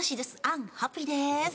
アンハッピーです。